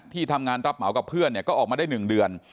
ที่ทำงานรับเหมากับเพื่อนก็ออกมาได้๑เดือน